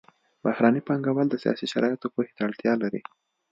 بهرني پانګوال د سیاسي شرایطو پوهې ته اړتیا لري